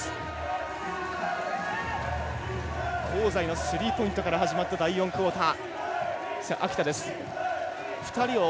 香西のスリーポイントから始まった第４クオーター。